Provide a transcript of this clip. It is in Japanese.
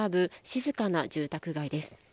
静かな住宅街です。